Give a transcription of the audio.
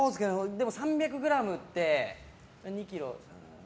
でも３００ｇって、２ｋｇ。